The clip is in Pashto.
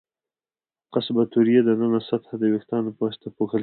قصبة الریې د ننه سطحه د وېښتانو په واسطه پوښل شوې ده.